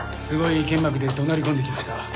すごい剣幕で怒鳴り込んできました。